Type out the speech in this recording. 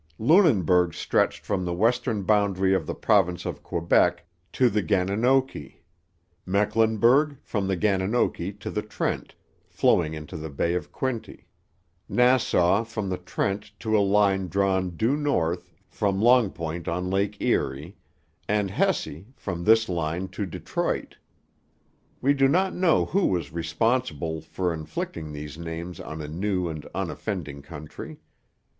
Lunenburg stretched from the western boundary of the province of Quebec to the Gananoqui; Mecklenburg, from the Gananoqui to the Trent, flowing into the Bay of Quinte; Nassau, from the Trent to a line drawn due north from Long Point on Lake Erie; and Hesse, from this line to Detroit. We do not know who was responsible for inflicting these names on a new and unoffending country.